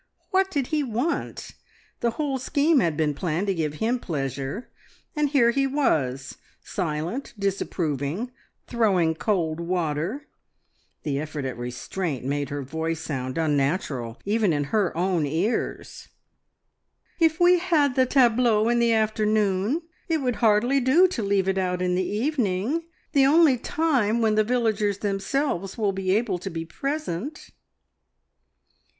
What did he want? The whole scheme had been planned to give him pleasure, and here he was, silent, disapproving, throwing cold water. The effort at restraint made her voice sound unnatural even in her own ears. "If we had the tableau in the afternoon, it would hardly do to leave it out in the evening the only time when the villagers themselves will be able to be present."